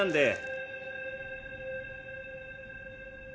・え！？